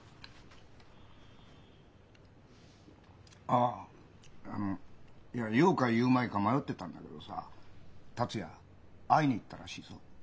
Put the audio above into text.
あああのいや言おうか言うまいか迷ってたんだけどさ達也会いに行ったらしいぞ。